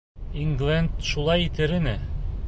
Ингленд шулай итер ине.